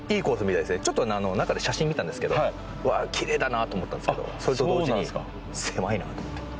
ちょっと中で写真見たんですけどうわあキレイだなと思ったんですけどそれと同時に狭いなと思って。